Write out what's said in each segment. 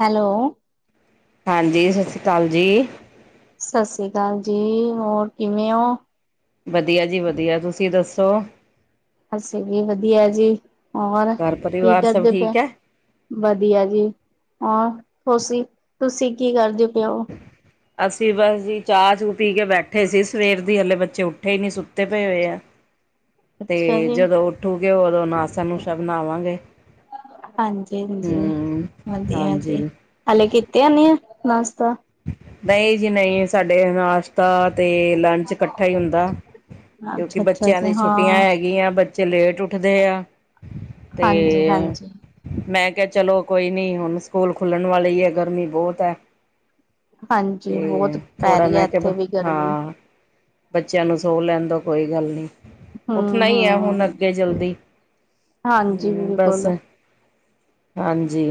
Hello. ਹਾਂਜੀ, ਸਤਿ ਸ਼੍ਰੀ ਅਕਾਲ ਜੀ। ਸਤਿ ਸ੍ਰੀ ਅਕਾਲ ਜੀ ਹੋਰ ਕਿਵੇਂ ਹੋ। ਵਧੀਆ ਜੀ, ਵਧੀਆ ਤੁਸੀਂ ਦੱਸੋ। ਅਸੀਂ ਵੀ ਵਧੀਆ ਜੀ, ਹੋਰ ਘਰ ਕੀ ਪਰਿਵਾਰ ਸਭ ਕਰਦੇ ਪਏ। ਠੀਕ ਹੈ ਵਧੀਆ ਜੀ, ਹਾਂ ਤੁਸੀਂ ਤੁਸੀਂ ਕੀ ਕਰਦੇ ਪਏ ਹੋ। ਅਸੀਂ ਬਸ ਜੀ ਚਾਹ ਚੂ ਪੀ ਕੇ ਬੈਠੇ ਸੀ। ਸਵੇਰ ਦੀ, ਹਲੇ ਬੱਚੇ ਉੱਠੇ ਹੀ ਨੀ ਸੁੱਤੇ ਪਏ ਹੋਏ ਹੈ। ਹੂੰ [inaudible] ਤੇ ਜਦੋਂ ਉੱਠੂਗੇ, ਉਦੋਂ ਨਾਸ਼ਤਾ ਨੂਸ਼ਤਾ ਬਣਾਵਾਂਗੇ। ਹਾਂਜੀ, ਹਾਂਜੀ ਹਮ ਵਧੀਆ ਹਾਂਜੀ ਜੀ, ਹਲੇੇ ਕੀਤੀ ਆ ਨਹੀਂ ਨਾਸ਼ਤਾ। ਨਹੀਂ ਜੀ ਨਹੀਂ ਸਾਡੇ ਨਾਸ਼ ਤਾਂ ਤੇ ਲੰਚ ਇਕੱਠਾ ਹੁੰਦਾ, ਕਿਉਂਕਿ ਅੱਛਾ ਅੱਛਾ ਬੱਚਿਆਂ ਦੀ ਜੀ ਛੁੱਟੀਆਂ ਹਾਂ ਹੈ। ਗੀਆ ਬੱਚੇ ਲੇਟ ਉੱਠਦੇ ਆ ਤੇ। ਹਾਂਜੀ ਹਾਂਜੀ ਮੈਂ ਕਿਹਾ ਚਲੋ ਕੋਈ ਨੀ, ਹੁਣ ਸਕੂਲ ਖੁੱਲਣ ਵਾਲੀ ਹੈ। ਗਰਮੀ ਬਹੁਤ ਹੈ। ਤੇ ਹਾਂਜੀ ਬਹੁਤ ਪੈ ਥੋੜ੍ਹਾ ਰਹੀ ਹੈ ਮੈਂ ਇੱਥੇ ਕਿਹਾ ਵੀ ਗਰਮੀ ਹਾਂ। ਬੱਚਿਆਂ ਨੂੰ ਸੋ ਲੈਣ ਦੋ। ਕੋਈ ਗੱਲ ਨੀ ਉੱਠਣਾ ਹਮ ਹੀ ਐ ਹੁਣ ਹਮ ਅੱਗੇ ਜਲਦੀ ਹਾਂਜੀ ਹਮ ਬਸ ਬਿਲਕੁਲ ਹਾਂਜੀ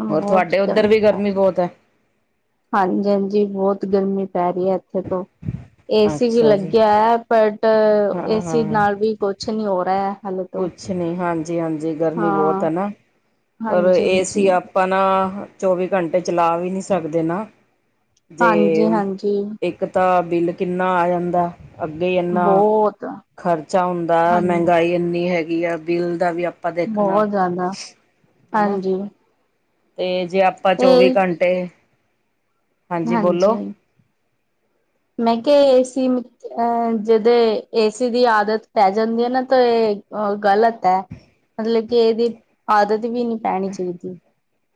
ਹ ਹੋਰ ਬਹੁਤ ਤੁਹਾਡੇ ਉੱਧਰ ਗਰਮੀ ਵੀ ਪੈ ਰ ਬਹੁਤ ਹੈ [unintelligible] ਹਾਂਜੀ ਹਾਂਜੀ ਬਹੁਤ ਗਰਮੀ ਪੈ ਰਹੀ ਹੈ ਅ ਏਸੀ ਵੀ ਅੱਛਾ ਜੀ ਲੱਗਿਆ ਐ ਬਟ ਹਾਂ ਏਸੀ ਹਾਂ ਨਾਲ ਵੀ ਕੁਛ ਨੀ ਹੋ ਰਿਹਾ ਹਾਲੇੇ ਤੋ ਅੱਛਾ ਨਹੀਂ [unintelligible] ਹਾਂਜੀ ਹਾਂਜੀ ਗਰਮੀ ਬਹੁਤ ਹੈ ਨਾ ਪਰ ਹਾਂਜੀ ਹਾਂਜੀ ਏਸੀ ਅਪ ਪਨਾ ਚੌਵੀ ਘੰਟੇ ਚਲਾ ਵੀ ਨਹੀਂ ਸਕਦੇ ਨਾ ਹਾਂਜੀ ਤੇ ਹਾਂਜੀ ਇੱਕ ਤਾਂ ਬਿੱਲ ਕਿੰਨਾ ਆ ਜਾਂਦਾ ਅੱਗੇ ਈ ਇੰਨਾ ਬਹੁਤ ਖ਼ਰਚਾ ਹੁੰਦਾ ਹਾਂਜੀ ਮਹਿੰਗਾਈ ਏ [unintelligible] ਹੈਗੀ ਆ ਬਿੱਲ ਦਾ ਵੀ ਆਪਾਂ ਦੇਖਣਾ ਬਹੁਤ ਜ਼ਿਆਦਾ ਹਨਾ ਹਾਂਜੀ ਤੇ ਜੇ ਆਪਾਂ ਤੇ ਚੌਵੀ ਘੰਟੇ ਹਾਂਜੀ ਮੈਂ ਕਿਹਾ ਏਸੀ ਅਹ ਜਦੇ ਏਸੀ ਦੀ ਆਦਤ ਪੈ ਜਾਂਦੀ ਐ ਨਾ ਤੇ ਇਹ ਅ ਗ਼ਲਤ ਐ ਮਤਲਬ ਕਿ ਇਹਦੀ ਆਦਤ ਵੀ ਨਹੀਂ ਪੈਣੀ ਚਹੀਦੀ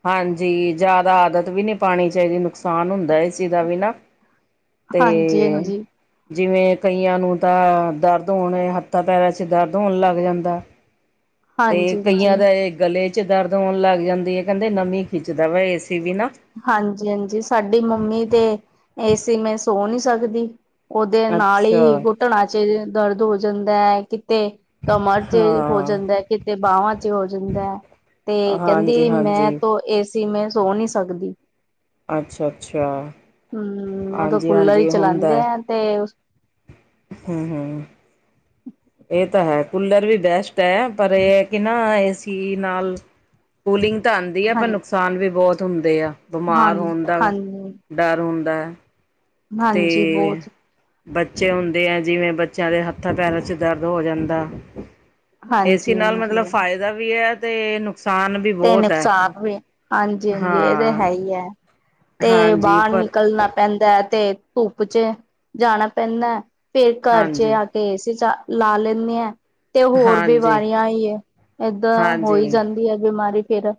ਹਾਂਜੀ ਜਾਦਾ ਆਦਤ ਵੀ ਨੀ ਪਾਣੀ ਚਾਹੀਦੀ ਨੁਕਸਾਨ ਹੁੰਦਾ ਇਸ ਚੀ ਦਾ ਵੀ ਨਾ ਹੂੰ [inaudible] ਤੇ ਜਿਵੇਂ ਕਈਆਂ ਨੂੰ ਤਾਂ ਦਰਦ ਹੋਣ ਹੱਥਾਂ ਪੈਰਾਂ ਚ ਦਰਦ ਹੋਣ ਲੱਗ ਜਾਂਦਾ ਐ ਤੇ ਹਾਂਜੀ ਕਈਆਂ ਹਾਂਜੀ ਦਾ ਇਹ ਗਲੇ ਚ ਦਰਦ ਹੋਣ ਲੱਗ ਜਾਂਦੀ ਏ ਕਹਿੰਦੇ ਨਮੀ ਖਿੱਚਦਾ ਵਾ ਏ ਸੀ ਵੀ ਨਾ ਹਾਂਜੀ ਹਾਂਜੀ ਸਾਡੀ ਮੰਮੀ ਤੇ ਏਸੀ ਮੇ ਸੋ ਨੀ ਸਕਦੀ ਉਹਦੇ ਨਾਲ ਅੱਛਾ ਈ ਘੁਟਣਾ ਚ ਦਰਦ ਹੋ ਜਾਂਦਾ ਏ ਕਿਤੇ ਕਮਰ ਚ ਹੋ ਹਾਂ ਜਾਂਦਾ ਏ ਕਿਤੇ ਬਾਹਵਾਂ ਚ ਹੋ ਜਾਂਦਾ ਏ ਤੇ ਹਾਂਜੀ ਕਹਿੰਦੀ ਮੈਂ ਹਾਂਜੀ ਤੋ ਏਸੀ ਮੈਂ ਸੋ ਨਹੀਂ ਸਕਦੀ ਅੱਛਾ ਅੱਛਾ ਹੂੰ ਉਦੋਂ ਹਾਂਜੀ ਕੂਲਰ ਈ ਹਾਂਜੀ ਚਲਾਂਦੇ ਹੁੰਦਾ ਐ ਤੇ ਹੂੰ ਹੂੰ ਇਹ ਤਾਂ ਹੈ ਕੂਲਰ ਵੀ ਬੈਸ ਐ ਪਰ ਇਹ ਕਿ ਨਾ ਏ ਸੀ ਨਾਲ ਕੂਲਿੰਗ ਤਾਂ ਆਂਦੀ ਐ ਹਾਂ ਪਰ ਨੁਕਸ ਨੁਕਸਾਨ ਵੀ ਬਹੁਤ ਹੁੰਦੇ ਆ ਹਾਂ ਬਿਮਾਰ ਹੋਣ ਦਾ ਹਾਂਜੀ ਡਰ ਹੁੰਦਾ ਐ ਹਾਂਜੀ ਤੇ ਬਹੁਤ ਬੱਚੇ ਹੁੰਦੇ ਐ ਜਿਵੇਂ ਬੱਚਿਆਂ ਦੇ ਹੱਥਾਂ ਪੈਰਾਂ ਚ ਦਰਦ ਹੋ ਜਾਂਦਾ ਏ ਹਾਂਜੀ ਨਾਲ ਮਤਲਬ ਹਾਂਜੀ ਫਾਇਦਾ ਵੀ ਹੈ ਤੇ ਨੁਕਸਾਨ ਵੀ ਤੇ ਬਹੁਤ ਹੈ ਨੁਕਸਾਨ ਵੀ ਹਾਂਜੀ ਹਾਂਜੀ ਇਹ ਤੇ ਹਾਂ ਹੈ ਹੀ ਐ ਤੇ ਹਾਂਜੀ ਬਾਹਰ ਪਰ ਨਿਕਲਣਾ ਪੈਂਦਾ ਐ ਤੇ ਧੁੱਪ ਚ ਜਾਣਾ ਪੈਂਦਾ ਐ ਫੇਰ ਘਰ ਚ ਹਾਂਜੀ ਆ ਕੇ ਏਸੀ ਚ ਲਾ ਲੈਨੇ ਆਂ ਤੇ ਹੋਰ ਹਾਂਜੀ ਬਿਮਾਰੀਆਂ ਹੀ ਹੈ ਏਦਾਂ ਹੋਈ ਹਾਂਜੀ ਜਾਂਦੀ ਐ ਬਿਮਾਰੀ ਫੇਰ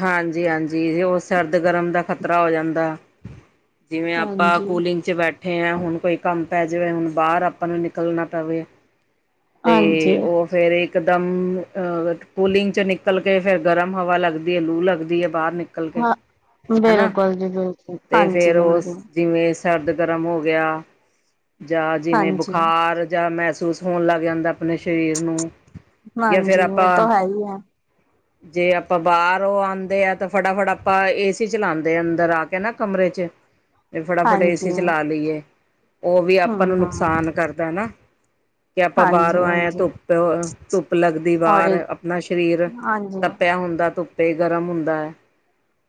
ਹਾਂਜੀ ਹਾਂਜੀ ਉਹ ਸਰਦ ਗਰਮ ਦਾ ਖ਼ਤਰਾ ਹੋ ਜਾਂਦਾ ਜਿਵੇਂ ਆਪਾਂ ਹਾਂਜੀ ਕੂਲਿੰਗ ਚ ਬੈਠੇ ਆ ਹੁਣ ਕੋਈ ਕੰਮ ਪੈ ਜਾਵੇ ਹੁਣ ਬਾਹਰ ਆਪਾਂ ਨੂੰ ਨਿਕਲਣਾ ਪਵੇ ਤੇ ਹਾਂਜੀ ਉਹ ਫੇਰ ਇਕ ਦਮ ਅਹ ਕੂਲਿੰਗ ਚ ਨਿਕਲ ਕੇ ਫੇਰ ਗਰਮ ਹਵਾ ਲੱਗਦੀ ਹੈ ਲੂ ਲੱਗਦੀ ਹੈ ਬਾਹਰ ਨਿ ਨਿਕਲ ਕੇ ਹਾਂ ਹਨਾ ਬਿਲਕੁਲ ਜੀ ਬਿਲਕੁਲ ਤੇ ਫੇਰ ਹਾਂਜੀ ਹਾਂਜੀ ਉਸ ਜਿਵੇਂ ਸਰਦ ਗਰਮ ਹੋ ਗਿਆ ਜਾਂ ਜਿਵੇਂ ਹਾਂਜੀ ਬੁਖਾਰ ਜਾਂ ਮਹਿਸੂਸ ਹੋਣ ਲੱਗ ਜਾਂਦਾ ਪਣੇ ਸਰੀਰ ਨੂੰ ਜਾਂ ਫੇਰ ਆਪਾਂ ਹ [inaudible] ਜੇ ਆਪਾਂ ਬਾਹਰੋ ਆਉਂਦੇ ਆ ਤਾਂ ਫਟਾਫਟ ਆਪਾਂ ਏਸੀ ਚਲਾਉਂਦੇ ਆ ਅੰਦਰ ਆ ਕੇ ਨਾ ਕਮਰੇ ਚ, ਅ [unintelligible] ਤੇ ਫਟਾਫਟ ਏਸੀ ਚਲਾ ਲਈਏ ਉਹ ਵੀ ਆਪਾਂ ਹਮ ਨੂੰ ਹਮ ਨੁਕਸਾਨ ਕਰਦਾ ਨਾ। ਕਿ ਆਪਾਂ ਬਾਹਰੋਂ ਹਾਂਜੀ ਆਏ ਹਾਂ ਹਾਂਜੀ ਧੁੱਪ ਧੁੱਪ ਲੱਗਦੀ ਔਰ ਬਾਹਰ ਆਪਣਾ ਸਰੀਰ, ਹਾਂਜੀ ਤੱਪਿਆ ਹੁੰਦਾ ਧੁੱਪੇ ਗਰਮ ਹੁੰਦਾ ਹੈ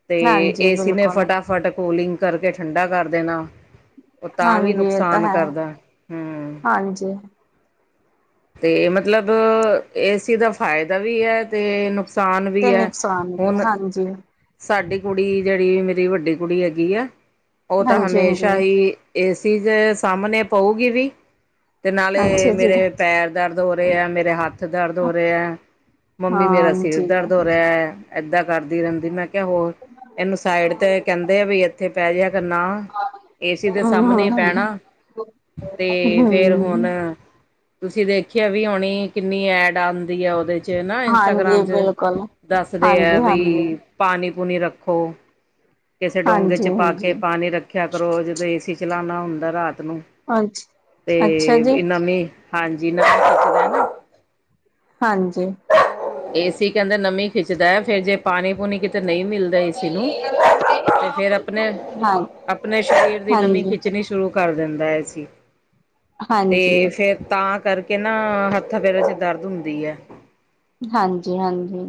ਤੇ ਹਾਂਜੀ ਏਸੀ ਨੇ ਬਿਲਕੁਲ ਸਾਡਾ ਬਟ ਕੂਲਿੰਗ ਕਰਕੇ ਠੰਡਾ ਕਰ ਦੇਣਾ, ਹਾਂਜੀ, ਅਤ ਮਨ ਕਰਦਾ ਹੂੰ ਹਾਂਜੀ, ਤੇ ਮਤਲਬ ਏਸੀ ਦਾ ਫਾਇਦਾ ਵੀ ਹੈ, ਤੇ ਨੁਕਸਾਨ ਵੀ ਤੇ ਐ ਨੁਕਸਾਨ ਵੀ ਹੁਣ ਤੇ, ਹਾਂਜੀ, ਸਾਡੀ ਕੁੜੀ ਜਿਹੜੀ ਮੇਰੀ ਵੱਡੀ ਕੁੜੀ ਹੈਗੀ ਆ ਉਹ ਤਾਂ ਹਾਂਜੀ, ਹਾਲੇ ਹਾਂਜੀ ਸ਼ਾਹੀ ਏਸੀ ਦੇ ਸਾਹਮਣੇ ਪਊਗੀ ਵੀ ਤੇ ਨਾਲੇ ਅੱਛਾ ਜੀ। ਮੇਰੇ, ਪੈਰ ਦਰਦ ਹੋ ਰਹੇ ਹੈ ਮੇਰੇ ਹੱਥ ਦਰਦ ਹੋ ਰਹੇ ਹੈ ਮੰਮੀ ਮੇਰਾ ਸਿਰ ਹਾਂਜੀ, ਦਰਦ ਹੋ ਰਿਹਾ, ਐ ਏਦਾਂ ਕਰਦੀ ਰਹਿੰਦੀ ਮੈਂ ਕਿਹਾ ਹੋਰ ਇਹਨੂੰ ਸਾਈਡ ਤੇ ਕਹਿੰਦੇ, ਤੈ ਵੀ ਇੱਥੇ ਪੈ ਜਿਹਾ ਕਰ ਨਾ, ਏਸੀ ਦੇ ਹੂੰ, ਸਾਹਮਣੇ ਹੂੰ। ਪੈਣਾ ਤੇ ਫੇਰ ਹੁਣ, ਤੁਸੀਂ ਦੇਖਿਆ ਵੀ ਹੋਣੀ ਕਿੰਨੀ ਐਡ ਆਦੀ ਹੈ ਉਹਦੇ ਚ, ਚ ਨਾ ਹਾਂਜੀ ਇੰਸਟਾਗ੍ਰਾਮ ਚ ਬਿਲਕੁਲ, ਦੱਸਦੇ ਹੈ ਹਾਂਜੀ, ਹਾਂਜੀ, ਬਈ, ਪਾਣੀ ਪੂਣੀ ਰੱਖੋ ਕਿਸੇ ਡੋਂਗੇ ਹਾਂਜੀ, 'ਚ ਪਾ ਕੇ ਹਾਂਜੀ। ਪਾਣੀ ਰੱਖ, ਰਖਿਆ ਕਰੋ ਜਦੋਂ ਏਸੀ ਚਲਾਣਾ ਹੁੰਦਾ ਰਾਤ ਨੂੰ ਅੱਛਾ, ਅੱਛਾ ਜੀ, ਤੇ ਨਮੀਂ ਹਾਂਜੀ ਨਮੀਂ ਹਾਂਜੀ, ਏਸੀ ਕਹਿੰਦੇ ਨਮੀ ਖਿੱਚਦਾ ਹੈ ਫੇਰ ਜੇ ਪਾਣੀ ਪੂਣੀ ਕਿਤੇ ਨਹੀਂ ਮਿਲ ਤੇ ਏਸੀ ਨੂੰ ਤੇ ਫਿਰ ਆਪਣੇ ਹਾਂ, ਆਪਣੇ ਸਰੀਰ ਦੀ ਨਵੀਂ ਹਾਂਜੀ। ਖਿੱਚਣੀ ਸ਼ੁਰੂ, ਕਰ ਦਿੰਦਾ ਏਸੀ ਤੇ ਹਾਂਜੀ, ਫੇਰ ਤਾਂ ਕਰਕੇ,, ਤੇ ਨਾਂ ਹੱਥਾ ਪੈਰਾਂ ਚ ਦਰਦ ਹੁੰਦੀ ਐ, ਹਾਂਜੀ ਹਾਂਜੀ,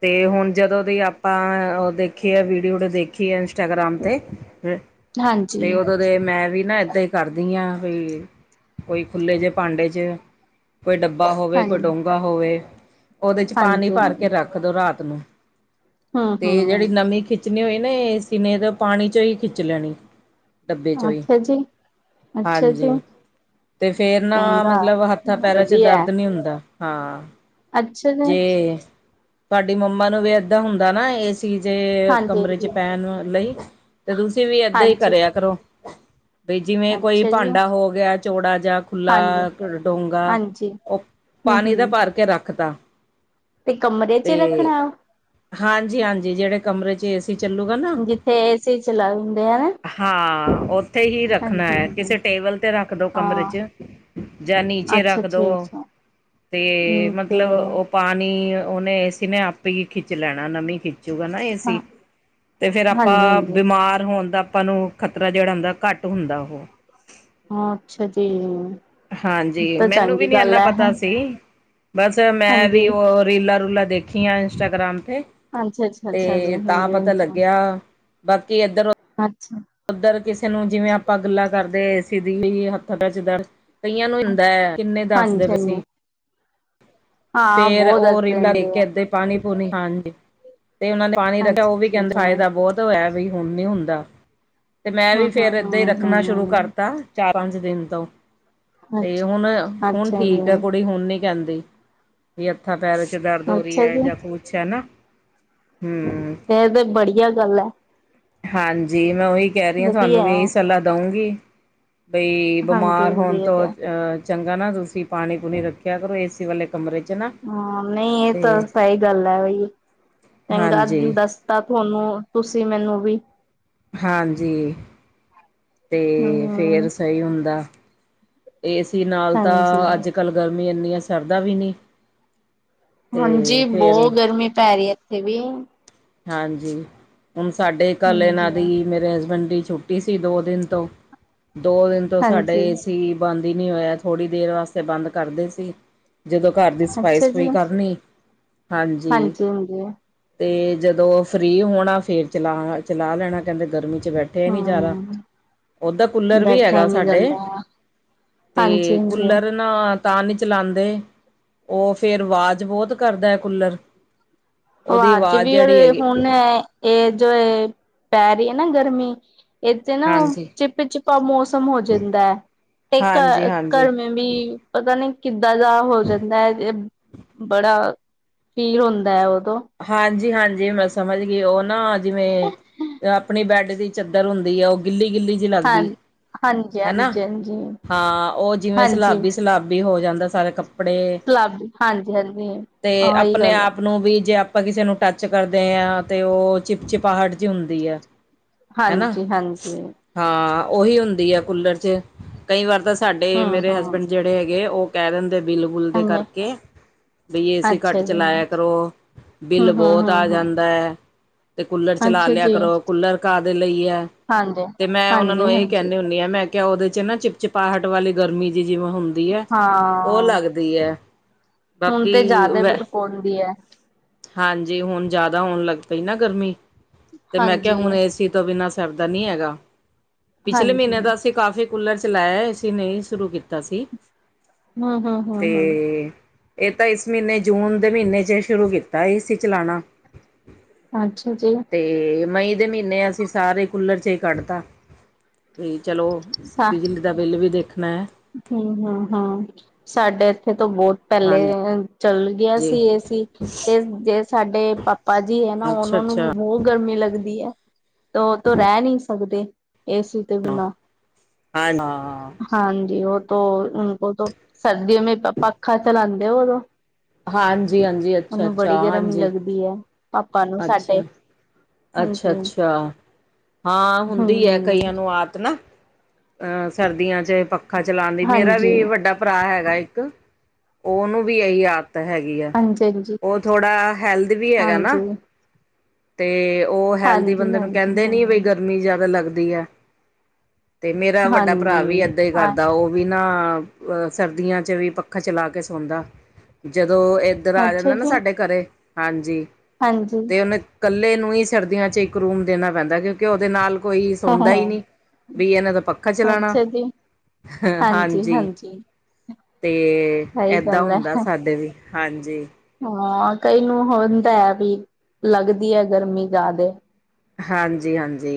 ਤੇ ਹੁਣ, ਜਦੋਂ ਦੀ ਆਪਾਂ ਦੇਖੀਏ ਵੀਡੀਓ ਵੀਡੀਓ ਦੇਖੀਆ ਇੰਸਟਾਗ੍ਰਾਮ ਤੇ ਤੇ ਹਾਂਜੀ, ਉਦੋਂ ਮੈਂ ਵੀ ਨਾ, ਇਏਦਾਂ ਹੀ ਕਰਦੀ ਹਾਂ ਵਾਈ ਕੋਈ ਖੁੱਲੇ ਜਿਹੇ ਭਾਂਡੇ ਚ ਕੋਈ ਡੱਬਾ ਹੋਵੇ ਕੋਈ ਹਾਂਜੀ, ਡੋਂਗਾ ਹੋਵੇ ਓਦੇ ਚ ਪਾਣੀ ਭਰ ਹਾਂਜੀ, ਕੇ ਰੱਖ ਕਦੋ ਰਾਤ ਨੂੰ ਹੂੰ, ਤੇ ਜੇਹੜੀ ਹੂੰ, ਨਵੀਂ ਖਿੱਚ ਜਿੰਨੇ ਵੇਲੇ ਏਸੀ ਨੇ ਤੇ ਪਾਣੀ ਚੋਂ ਖਿੱਚ ਲੈਣੀ। ਡੱਬੇ ਚੋਂ ਈ ਅੱਛਾ ਜੀ, ਅੱਛਾ ਹਾਂਜੀ। ਜੀ। ਤੇ ਫੇਰ ਨਾ ਚੰਗਾ ਮਤਲਬ ਹੱਥਾਂ ਪੈਰਾਂ ਚ ਵਧੀਆ ਦਰਦ ਨੀ ਹੁੰਦਾ ਹਾਂ। ਅੱਛਾ ਜਾ ਜੇ ਤੁਹਾਡੀ ਮੰਮਾ ਨੂੰ ਵੀ ਏਦਾਂ ਹੁੰਦਾ ਨਾ ਏਸ ਸੀ ਦੇ ਹਾਂਜੀ ਕਮਰੇ ਚ ਹਾਂਜੀ ਪੈਣ ਲਈ ਤੇ ਤੁਸੀਂ ਵੀ ਏਦਾਂ ਈ ਹਾਂਜੀ ਕਰਿਆ ਕਰੋ। ਬਈ ਜਿਵੇਂ ਕੋਈ ਅੱਛਾ ਜੀ ਭਾਂਡਾ ਹੋ ਗਿਆ ਚੌੜਾ ਜਿਹਾ। ਖੁੱਲਾ ਹਾਂਜੀ ਡੋਂਗਾ ਹਾਂਜੀ ਉਹ ਹਮ ਪਾਣੀ ਦਾ ਹਮ ਭਰ ਕੇ ਰੱਖ ਤਾ। ਤੇ ਕਮਰੇ ਚ ਏ ਰੱਖਣਾ? ਹਾਂਜੀ-ਹਾਂਜੀ ਜੇੜੇ ਕਮਰੇ ਚ ਏਸੀ ਚੱਲੂਗਾ ਨਾ। ਫੇਰ ਏ ਸੀ ਚਲਾ ਹੁੰਦੇ ਆਨਾ। ਹਾਂ ਓਥੇ ਹੀ ਰੱਖਣਾ ਐ ਹਾਂਜੀ ਕਿਸੇ ਟੇਬਲ ਤੇ ਰੱਖਦੋ ਕਮਰੇ ਹਾਂ ਚ। ਜਾਂ ਨੀਚੇ ਅੱਛਾ ਰੱਖ ਦੋ, ਅੱਛਾ ਅੱਛਾ ਤੇ ਹਮ ਤੇ ਮਤਲਬ ਓ ਪਾਣੀ ਉਨੇ ਏਸੀ ਨੇ ਆਪੇ ਈ ਖਿੱਚ ਲੈਣਾ ਨਮੀ ਖਿੱ ਚੂਗਾ ਨਾ ਹਾਂ ਏਸੀ ਤੇ ਫੇਰ ਆਪਾਂ ਹਾਂਜੀ ਹਾਂਜੀ ਬਿਮਾਰ ਹੋਣ ਦਾ ਆਪਾਂ ਨੂੰ ਖ਼ਤਰਾ ਜੇੜਾ ਹੁੰਦਾ ਘੱਟ ਹੁੰਦਾ ਓਹ। ਹਾਂ ਅੱਛਾ ਜੀ। ਹਾਂਜੀ ਤਾਂ ਮੈਨੂੰ ਵੀ ਚੰਗੀ ਨੀ ਗੱਲ ਐਨਾ ਹੈ ਪਤਾ ਸੀ, ਬਸ ਮੈਂ ਵੀ ਹਾਂਜੀ ਓ ਰੀਲਾਂ-ਰੂਲਾਂ ਦੇਖੀਆਂ ਇੰਸਟਾਗ੍ਰਾਮ ਤੇ, ਅੱਛਾ ਅੱਛਾ ਅੱਛਾ ਜੀ ਤੇ ਤਾਂ ਹਾਂਜੀ ਪਤਾ ਹਾਂਜੀ ਲੱਗਿਆ ਬਾਕੀ ਏਦਰੋ ਅੱਛਾ। ਉੱਧਰ ਕਿਸੇ ਨੂੰ ਜਿਵੇਂ ਆਪਾਂ ਗੱਲਾਂ ਕਰਦੇ ਏਸੀ ਦੀ ਹੱਥ -ਪੈਰਾਂ ਚ ਦਰਦ ਕਈਆਂ ਨੂੰ ਹੁੰਦੈ। ਕਿੰਨੇ ਦੱਸਦੇ ਹਾਂਜੀ ਵੇਸੀ। ਹਾਂਜੀ ਹਾਂ ਫੇਰ ਬਹੁਤ ਓ ਦੱਸ ਰੀਲਾ ਦਿੰਦੇ ਵੇਖ ਆ ਕੇ ਅੱਧੇ ਪਾਣੀ- ਪੂਣੀ ਹਾਂਜੀ, ਤੇ ਓਨਾਂ ਨੇ ਪਾਣੀ ਰੱਖਿਆ ਅੱਛਾ ਓ ਵੀ ਅੱਛਾ ਕੈਂਦੇ ਜੀ ਫਾਈਦਾ ਬੋ ਤ ਐ ਵੀ ਹੁਣ ਨੀ ਹੁੰਦਾ, ਤੇ ਮੈਂ ਵੀ ਹਾਂ ਹਾਂ ਫੇਰ ਏਦਾਂ ਈ ਹਾਂ ਰੱਖਣਾ ਸ਼ੁਰੂ ਹਾਂ ਕਰਤਾ। ਚਾਰ ਪੰਜ ਦਿਨ ਤੋਂ, ਤੇ ਅੱਛਾ ਹੁਣ-ਹੁਣ ਅੱਛਾ ਠੀਕ ਆ ਜੀ ਕੁੜੀ ਹੁਣ ਨੀ ਕੈਂਦੀ। ਵੀ ਹੱਥਾਂ-ਪੈਰ ਚ ਦਰਦ ਹੋਰੀ ਅੱਛਾ ਐ ਜੀ ਜਾਂ ਕੁਛ ਹੈ ਨਾ। ਹੂੰ ਏ ਤੇ ਬੜੀਆ ਗੱਲ ਐ। ਹਾਂਜੀ ਮੈਂ ਓਹੀ ਕੈ ਰੀ ਆ ਤੁਹਾਨੂੰ ਵਧੀਆ ਵੀ ਏ ਈ ਹੈ। ਸਲਾਹ ਦਾਉਂਗੀ। ਬਈ ਹਾਂਜੀ ਬਿਮਾਰ ਹਾਂਜੀ ਹੋਣ ਇਹ ਤੋਂ ਤਾਂ ਅ ਚੰਗਾ ਨਾ ਤੁਸੀਂ ਪਾਣੀ- ਪੂਣੀ ਰੱਖਿਆ ਕਰੋ ਏਸੀ ਵਾਲੇ ਕਮਰੇ ਚ ਨਾ। ਹਾਂ ਨਈ ਏ ਤਾਂ ਤੇ ਸਈ ਗੱਲ ਐ ਬਈ, ਚੰਗਾ ਤੂੰ ਹਾਂਜੀ ਦੱਸ ਤਾਂ ਤੁਹਾਨੂੰ, ਤੁਸੀਂ ਮੈਨੂੰ ਵੀ ਹਾਂਜੀ, ਤੇ ਫੇਰ ਹਮ ਸਹੀ ਹੁੰਦਾ। ਏਸੀ ਨਾਲ ਹਾਂਜੀ ਤਾਂ, ਅੱਜ-ਕੱਲ ਗਰਮੀ ਇੰਨੀ ਆ ਸਰਦਾ ਵੀ ਨੀ। ਹਾਂਜੀ ਬੋ ਗਰਮੀ ਪੈਰੀ ਇੱਥੇ ਵੀ। ਹਾਂਜੀ, ਹੁਣ ਸਾਡੇ ਕੱਲ ਇਨਾਂ ਹਾਂਜੀ ਦੀ ਮੇਰੇ ਹਸਬੈਂਡ ਦੀ ਛੁੱ ਛਟੀ ਸੀ ਦੋ ਦਿਨ ਤੋਂ, ਦੋ ਦਿਨ ਤੋਂ ਸਾਡਾ ਹਾਂਜੀ ਏਸੀ ਬੰਦ ਈ ਨੀ ਹੋਇਆ ਥੋੜ੍ਹੀ ਦੇਰ ਵਾਸਤੇ ਬੰਦ ਕਰਦੇ ਸੀ। ਜਦੋਂ ਘਰ ਦੀ ਅੱਛਾ ਸਫਾਈ-ਸਫੂਈ ਜੀ ਕਰਨੀ, ਹਾਂਜੀ ਤੇ ਜਦੋਂ ਫ੍ਰਰੀ ਹੋਣਾ ਫੇਰ ਚਲਾ-ਚਲਾ ਲੈਣਾ ਕੈਂਦੇ ਗਰਮੀ ਚ ਬੈ ਠਿਆ ਨੀ ਜਾਰਿਆ, ਹਮ ਓਦਾ ਕੂਲਰ ਵੀ ਹੈਗਾ ਸਾਡੇ। ਤੇ ਹਾਂਜੀ-ਹਾਂਜੀ ਓ। ਕੂਲਰ ਨਾ ਤਾਂ ਨੀ ਚਲਾਂਦੇ ਓ ਫੇਰ ਵਾਜ਼ ਬੋਤ ਕਰਦੈ ਕੂੱਲਰ। ਅਵਾਜ ਵੀ ਓਰ ਹੁਣ ਏ, ਏ ਜੋ ਏ, ਪੈਰੀ ਐ ਨਾ ਗਰਮੀ ਏਤੇ ਨਾ ਹਾਂਜੀ ਚਿੱ- ਚਿੱਪਾ ਮੌਸਮ ਹੋ ਜਾਂਦੈ ਤੇ ਹਾਂਜੀ - ਹਾਂਜੀ ਘਰ ਮੀ ਵੀ ਪਤਾ ਨੀ ਕਿੱਦਾਂ ਦਾ ਹੋ ਜਾਂਦਾ ਐ ਏ ਬੜਾ, ਫੀਲ ਹੁੰਦਾ ਹੈ ਉਦੋਂ ਹਾਂਜੀ, ਹਾਂਜੀ ਮੈਂ ਸਮਝ ਗਈ ਉਹ ਨਾ ਜਿਵੇਂ- ਆਪਣੀ ਬੈਡ ਦੀ ਚਾਦਰ ਹੁੰਦੀ ਹੈ ਉਹ ਗਿੱਲੀ- ਗਿੱਲੀ ਹਾਂ ਲੱਗਦੀ ਹਾਂਜੀ ਹਾਂਜੀ ਹਨਾਂ ਹਾਂਜੀ ਹਾਂ ਉਹ ਜਿਵੇਂ ਹਾਂਜੀ ਸਲਾਬੀ ਸ਼ਲਾਬੀ ਹੋ ਜਾਂਦਾ ਸਾਰਾ ਕੱਪ ਕਪੜੇ, ਸਲਾਬ ਹਾਂਜੀ ਹਾਂਜੀ ਤੇ ਉਹੀ ਆਪਣੇ ਗੱਲ ਹੈ ਆਪ ਨੂੰ ਵੀ ਜੇ ਆਪਾਂ ਕਿਸੇ ਨੂੰ ਟੱਚ ਕਰਦੇ ਹਾਂ ਤੇ ਉਹ ਚਿਪ -ਚਿਪਾਹਟ ਜੀ ਹੁੰਦੀ ਐ। ਹਨਾਂ, ਹਾਂਜੀ ਹਾਂਜੀ ਹਾਂ ਉਹੀ ਹੁੰਦੀ ਆ ਕੂਲਰ ਚ ਕਈ ਵਾਰ ਤਾਂ ਸਾਡੇ ਹਮ ਮੇਰੇ ਹਮ ਹਸਬੈਂਡ ਜੇੜੇ ਹੈਗੇ ਓ ਕੈ ਦਿੰਦੇ ਬਿੱਲ-ਬੁਲ ਦੇ ਹਾਂਜੀ ਕਰਕੇ ਬਈ ਏ ਸੀ ਅੱਛਾ ਕਟ ਜੀ ਚਲਾਇਆ ਹਮ ਕਰੋ। ਬਿੱਲ ਹਮ ਬੋਤ ਆ ਹਮ ਹਮ ਜਾਂਦਾ ਤੇ ਕੂਲਰ ਚਲਾ ਅੱਛਾ ਲਯਾ ਜੀ ਕਰੋ। ਕੂਲਰ ਕਾਦੇ ਲਈ ਐ ਹਾਂਜੀ ਤੇ ਮੈਂ ਓਨਾਂ ਨੂੰ ਹਾਂਜੀ ਐਹੀ ਹਾਂਜੀ ਕੈਣੀ ਹੁ ਣੀ ਮੈਂ ਕੇਆ ਓਦੇ ਚ ਨਾ ਚਿਪਚਿਪਾਹਟ ਵਾਲੀ ਗਰਮੀ ਜੀ ਜਿਵੇਂ ਹੁੰਦੀ ਐ ਓ ਹਾਂ ਲੱਗਦੀ ਦੀ ਐ। ਹੁਣ ਤੇ ਜਾਦਾ ਪੋਂਦੀ ਐ। ਹਾਂਜੀ ਹੁਣ ਜਾਦਾ ਹੋਣ ਲੱਗ ਪਈ ਨਾ ਗਰਮੀ ਤੇ ਮੈਂ ਕੇਹਾ ਹਾਂਜੀ। ਹੁਣ ਏਸੀ ਤੋਂ ਬਿਨਾ ਸਰਦਾ ਨੀ ਹੈਗਾ ਪਿਛਲੇ ਹਾਂਜੀ ਮੀਨੇ ਦਾ ਅਸ ਤੇ ਕਾਫੀ ਕੂਲਰ ਚਲਾਇਆ ਏਸੀ ਨਈ ਸ਼ੁਰੂ ਕੀਤਾ ਸੀ ਤੇ ਹੂੰ ਹੂੰ ਹੂੰ ਤੇ ਹੂੰ ਏਤਾਂ ਇਸ ਮੀਨੇ ਜੂਨ ਦੇ ਮੀਨੇ ਚ ਸ਼ੁਰੂ ਕੀ ਤਾਂ ਈ ਏ ਸੀ ਚਲਾਣਾ। ਅੱਛਾ ਜੀ। ਤੇ ਮਈ ਦੇ ਮੀਨੇ ਅਸੀਂ ਸਾਰੇ ਕੂਲਰ ਚ ਈ ਕੱਢਤਾ ਵੀ ਚਲੋ ਸਾ ਬਿਜਲੀ ਦਾ ਬਿੱਲ ਵੀ ਦੇਖਨਾ। ਹੂੰ ਹਾਂ-ਹਾਂ ਸਾਡੇ ਐਥੇ ਤਾਂ ਬੋਤ ਪੈਲੇ ਹਾਂਜੀ ਚੱਲ ਗਿਆ ਸੀ ਏਸੀ ਤੇ ਜੇ ਸਾਡੇ ਪਾਪਾ ਜੀ ਐ ਨਾ ਅੱਛਾ ਓਨਾਂ ਅੱਛਾ ਨੂੰ ਬੋ ਗਰਮੀ ਲੱਗਦੀ ਐ ਤੋ ਓ ਤਾ ਰੈ ਨੀ ਸਕਦੇ ਏਸੀ ਤੋਂ ਹਾਂ ਬਿਨਾਂ ਐ ਨਾ ਹਾਂਜੀ ਓ ਤੋਂ ਉਨਕੋ ਤੋ ਸਰਦੀਓ ਮੇ ਪੱਖਾ ਚਲਾਂਦੇ ਵੋ ਹਾਂਜੀ ਹਾਂਜੀ ਅੱਛਾ ਓਨੂੰ ਅੱਛਾ ਬੜੀ ਗਰਮੀ ਹਾਂਜੀ ਲੱਗਦੀ ਐ ਪਾਪਾ ਨੂੰ ਸਾਡੇ। ਹਾਂਜੀ ਅੱਛਾ-ਅੱਛਾ ਹਾਂ ਹੁੰਦੀ ਐ ਹਮ ਕਈਆਂ ਨੂੰ ਆਤ ਨਾ ਅਹ ਸਰਦੀਆਂ ਚ ਪੱਖਾ ਚਲਾਣ ਦੀ ਮੇਰਾ ਹਾਂਜੀ ਹਾਂਜੀ ਵੀ ਵੱਡਾ ਪਰਾ ਹੈਗਾ ਇੱਕ ਓਨੂੰ ਵੀ ਏਈ ਆਦ ਤੇ ਹੈਗੀ ਆ ਹਾਂਜੀ ਓ ਥੋੜ੍ਹਾ ਹੈਲਦ ਵੀ ਹੈਗਾ ਨਾਂ। ਹਾਂਜੀ ਤੇ ਓ ਹੈਲਦੀ ਹਾਂਜੀ ਬੰਦੇ ਨੂੰ ਕੈਂਦੇ ਨੀ ਬਈ ਹਾਂਜੀ ਗਰਮੀ ਜਾਦਾ ਲੱਗਦੀ ਐ। ਤੇ ਮੇਰਾ ਹਾਂਜੀ ਵੱਡਾ ਪਰਾ ਵੀ ਹਾਂਜੀ ਏਦਾਂ ਹਾਂ ਕਰਦਾ ਓ ਵਿ ਨਾਂ ਸਰਦੀਆਂ ਚ ਵੀ ਪੱਖਾ ਚਲਾ ਕੇ ਸੌਂਦਾ ਜਦੋਂ ਏ ਇੱਧਰ ਆ ਅੱਛਾ ਜਾਂਦਾ ਨਾ ਜੀ ਸਾਡੇ ਘਰੇ ਹਾਂਜੀ ਹਾਂਜੀ ਤੇ ਕੱਲੇ ਨੂੰ ਈ ਸਰਦੀਆਂ ਚ ਇੱਕ ਰੂਮ ਦੇਣਾ ਪੈਂਦਾ ਕਿਉਂਕਿ ਓਦੇ ਨਾਲ ਕੋਈ ਹਾਂ ਸੌਦਾ ਨੀ ਹਾਂ ਬਈ ਐਨਾਂ ਦਾ ਪੱਖਾ ਚਲਾਣਾ ਅੱਛਾ ਜੀ ਹ ਹਾਂਜੀ। ਤੇ ਸਹੀ ਏਦਾਂ ਗੱਲ ਹੈ ਹੁੰਦਾ ਸਾਡੇ ਵੀ ਹਾਂਜੀ। ਹਾਂ ਕਈ ਨੂੰ ਹੁੰਦਾ ਐ ਵੀ ਲੱਗਦੀ ਐ ਗਰਮੀ ਜ਼ਿਆਦੇ। ਹਾਂਜੀ-ਹਾਂਜੀ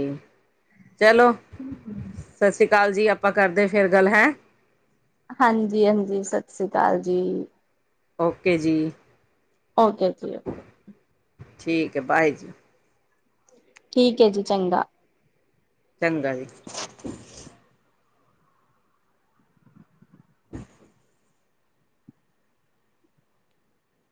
ਚਲੋ ਹੂੰ-ਹਂ ਸਾ ਸ਼੍ਰੀ ਕਾਲ ਜੀ ਆਪਾਂ ਕਾਰਦੇ ਆਂ‌ ਫੇਰ ਗੱਲ ਹੈ ਹਾਂਜੀ-ਹਾਂਜੀ ਸਤਿ ਸ੍ਰੀ ਅਕਾਲ ਜੀ। ਓਕੇ ਜੀ। ਓਕੇ ਜੀ। ਓਕੇ ਠੀਕ ਐ, ਬਾਏ ਜੀ। ਠੀਕ ਏ ਜੀ ਚੰਗਾ ਚੰਗਾ ਜੀ।